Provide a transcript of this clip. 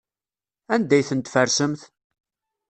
Anda ay ten-tfersemt?